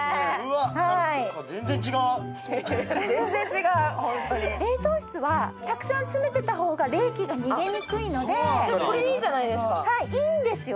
はい全然違う本当に冷凍室はたくさん詰めてた方が冷気が逃げにくいのでこれいいじゃないですかいいんですよ